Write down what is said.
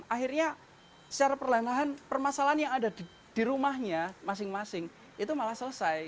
akhirnya secara perlahan lahan permasalahan yang ada di rumahnya masing masing itu malah selesai